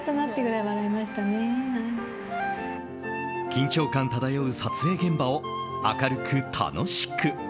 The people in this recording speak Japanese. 緊張感漂う撮影現場を明るく楽しく。